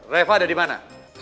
reva ada di mana